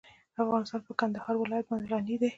افغانستان په کندهار ولایت باندې غني دی.